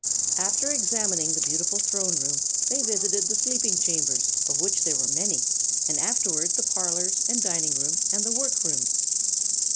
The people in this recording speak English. After examining the beautiful throne room, they visited the sleeping chambers, of which there were many, and afterward the parlors and dining room and the work rooms.